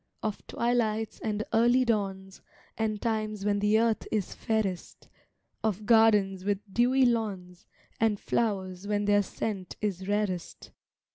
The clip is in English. Of twilights and early dawns, And times when the earth is fairest; Of gardens with dewy lawns, And flowers when their scent is rarest.